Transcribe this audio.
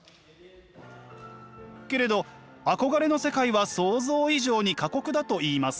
けれど憧れの世界は想像以上に過酷だといいます。